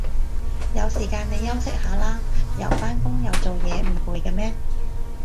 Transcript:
有時間你休息下啦，又返工又做嘢唔攰嘅咩